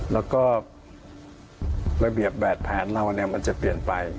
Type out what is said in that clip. แล้วก็ระเบียบแบบแผนเราเนี่ยมันจะเปลี่ยนไป